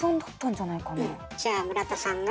じゃあ村田さんが？